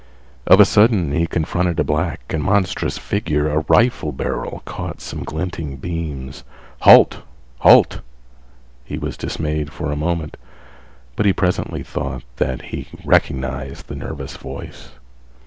Of a sudden he confronted a black and monstrous figure. A rifle barrel caught some glinting beams. "Halt! halt!" He was dismayed for a moment, but he presently thought that he recognized the nervous voice.